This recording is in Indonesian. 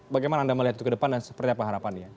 bagaimana anda melihat itu ke depan dan seperti apa harapannya